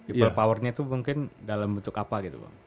people powernya itu mungkin dalam bentuk apa gitu bang